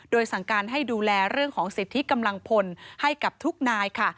โดยสั่งการให้ดูแลเรื่องของสิทธิกำลังพลให้กับทุกนายค่ะ